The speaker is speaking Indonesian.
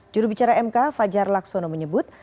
jurubicara mk fajar laksono menyebut